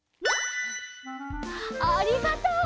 ありがとう！